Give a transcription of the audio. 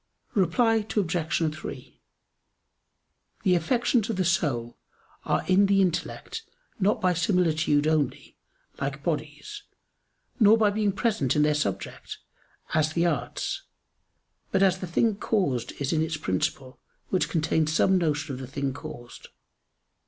Reply Obj. 3: The affections of the soul are in the intellect not by similitude only, like bodies; nor by being present in their subject, as the arts; but as the thing caused is in its principle, which contains some notion of the thing caused.